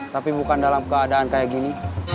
tapi bukan dalam keadaan kayak gini